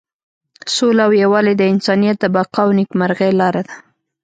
سوله او یووالی د انسانیت د بقا او نیکمرغۍ لاره ده.